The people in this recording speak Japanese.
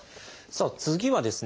さあ次はですね